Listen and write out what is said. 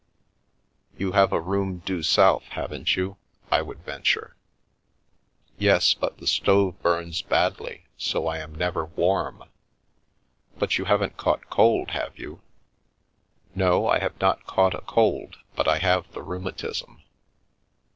" You have a room due south, haven't you ?" I would venture. " Yes, but the stove burns badly, so I am never warm." " But you haven't caught cold, have you ?"" No, I have not caught a cold, but I have the rheu matism."